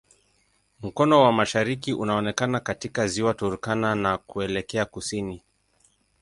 Mkono wa mashariki unaonekana katika Ziwa Turkana na kuelekea kusini.